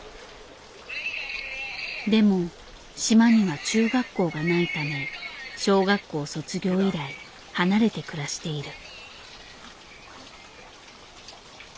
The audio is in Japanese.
でも島には中学校がないため小学校卒業以来離れて暮らしている。